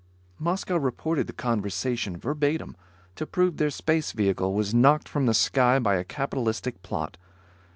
Moscow reported the conversation, verbatim, to prove their space vehicle was knocked from the sky by a capitalistic plot.